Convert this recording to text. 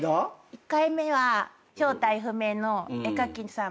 １回目は正体不明の絵描きさん。